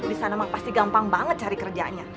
disana emang pasti gampang banget cari kerjanya